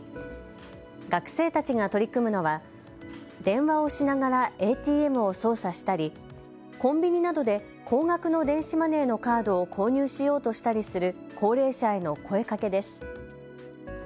学生たちが取り組むのは電話をしながらＡＴＭを操作したり、コンビニなどで高額の電子マネーのカードを購入しようとしたりする高齢者への声かけです。